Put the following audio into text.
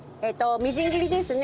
みじん切りですね。